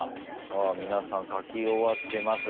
皆さん書き終わってますが。